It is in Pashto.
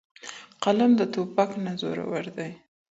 قلم د توپک نه زورور دی.